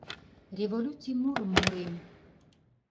Революций мурым мурем: